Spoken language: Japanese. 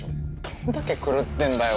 どんだけ狂ってんだよ